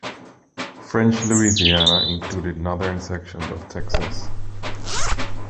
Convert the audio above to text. French Louisiana included northern sections of Texas.